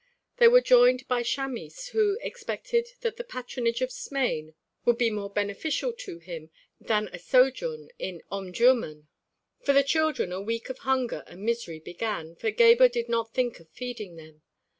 They were joined by Chamis who expected that the patronage of Smain would be more beneficial to him than a sojourn in Omdurmân. For the children a week of hunger and misery began, for Gebhr did not think of feeding them.